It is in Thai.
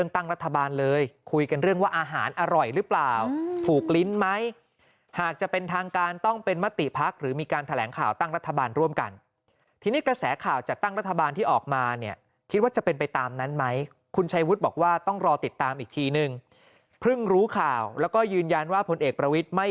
ตั้งรัฐบาลเลยคุยกันเรื่องว่าอาหารอร่อยหรือเปล่าถูกลิ้นไหมหากจะเป็นทางการต้องเป็นมติพักหรือมีการแถลงข่าวตั้งรัฐบาลร่วมกันทีนี้กระแสข่าวจัดตั้งรัฐบาลที่ออกมาเนี่ยคิดว่าจะเป็นไปตามนั้นไหมคุณชัยวุฒิบอกว่าต้องรอติดตามอีกทีนึงเพิ่งรู้ข่าวแล้วก็ยืนยันว่าพลเอกประวิทย์ไม่